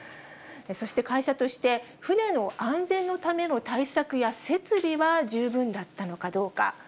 そして、会社として船の安全のための対策や設備は十分だったのかどうか。